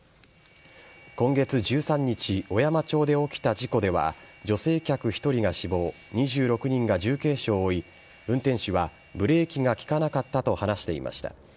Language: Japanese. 今月１３日小山町で起きた事故では女性客１人が死亡２６人が重軽傷を負い運転手はブレーキが利かなかったと話していました。